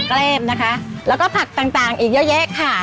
แก้มนะคะแล้วก็ผักต่างอีกเยอะแยะค่ะ